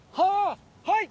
はい。